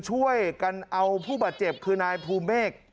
ช่วยกันเอาผู้บาดเจ็บคือนายภูเมฆ